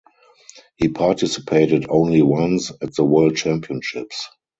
He participated only once at the World Championships.